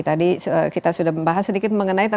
tadi kita sudah membahas sedikit mengenai